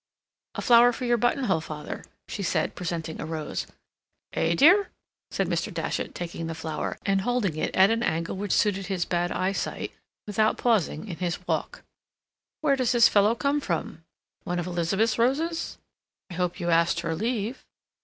"A flower for your buttonhole, father," she said, presenting a rose. "Eh, dear?" said Mr. Datchet, taking the flower, and holding it at an angle which suited his bad eyesight, without pausing in his walk. "Where does this fellow come from? One of Elizabeth's roses—I hope you asked her leave.